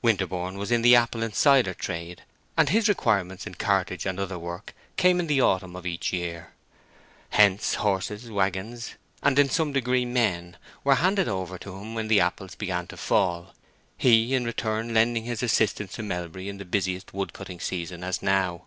Winterborne was in the apple and cider trade, and his requirements in cartage and other work came in the autumn of each year. Hence horses, wagons, and in some degree men, were handed over to him when the apples began to fall; he, in return, lending his assistance to Melbury in the busiest wood cutting season, as now.